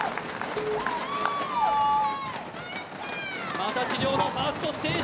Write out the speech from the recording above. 又地諒のファーストステージ。